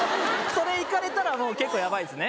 それ行かれたらもう結構ヤバいですね。